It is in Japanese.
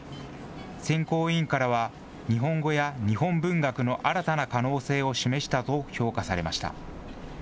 選考委員からは、日本語や日本文学の新たな可能性を示したと評価されました。